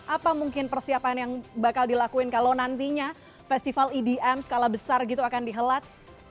apa mungkin persiapan yang bakal dilakuin kalau nantinya festival edm skala besar gitu akan dihelat